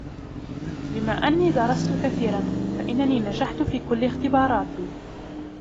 بما اني درست كثيراُ، فإنني نجحت في كل اختباراتي.